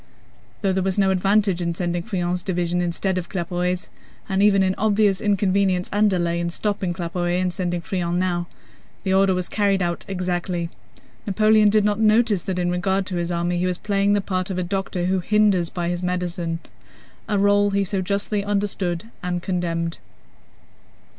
Though there was no advantage in sending Friant's division instead of Claparède's, and even an obvious inconvenience and delay in stopping Claparède and sending Friant now, the order was carried out exactly. Napoleon did not notice that in regard to his army he was playing the part of a doctor who hinders by his medicines—a role he so justly understood and condemned.